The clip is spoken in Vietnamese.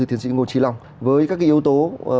tiến sĩ ngô trí long với các cái yếu tố